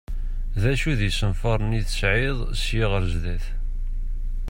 D acu d isenfaren i tesɛiḍ sya ɣer sdat?